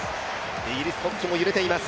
イギリス国旗も揺れています。